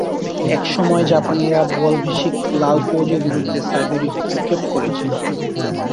এসময় জাপানিরা বলশেভিক লাল ফৌজের বিরুদ্ধে সাইবেরীয় হস্তক্ষেপ করছিল।